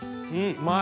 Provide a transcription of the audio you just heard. うまい！